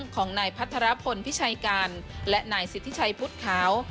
ของนายพัทรพลพิชัยการและนายสิทธิชัยพุทธขาว